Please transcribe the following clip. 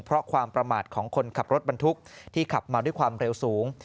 เพราะความประมาทของคนขับรถบรรทุกที่ขับมาด้วยความเร็วสูง